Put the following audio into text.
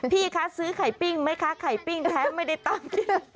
พี่คะซื้อไข่ปิ้งไหมคะไข่ปิ้งแท้ไม่ได้ตังค์